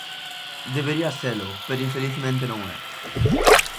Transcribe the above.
Debería selo; pero infelizmente non o é.